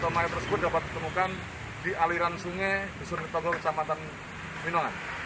mayat tersebut dapat ditemukan di aliran sungai di sungai tenggol kecematan winongan